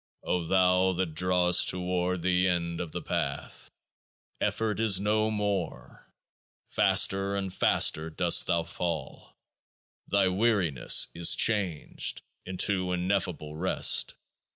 O thou that drawest toward the End of The Path, effort is no more. Faster and faster dost thou fall ; thy weariness is changed into Ineffable Rest.